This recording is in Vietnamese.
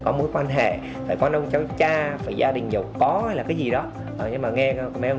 có mối quan hệ phải quan ông cháu cha phải gia đình giàu có là cái gì đó nhưng mà nghe mấy ông